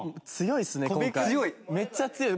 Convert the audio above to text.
めっちゃ強い！